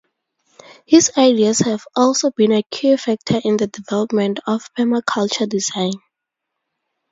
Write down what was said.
His ideas have also been a key factor in the development of permaculture design.